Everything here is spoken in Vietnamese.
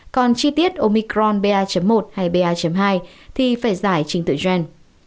còn chi tiết omicron ba một hay ba hai thì phải giải trình tự gen